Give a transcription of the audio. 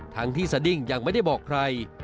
ทั้งที่สดิ้งยังไม่ได้บอกใคร